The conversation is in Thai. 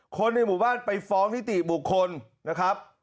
คนในหมู่บ้านไปฟ้องนิติบุคคลนะครับ